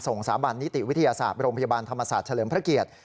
สาบันนิติวิทยาศาสตร์โรงพยาบาลธรรมศาสตร์เฉลิมพระเกียรติ